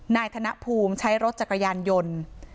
ธนภูมิใช้รถจักรยานยนต์